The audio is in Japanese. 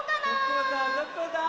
どこだどこだ？